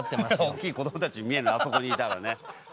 大きい子どもたちに見えるねあそこにいたらね。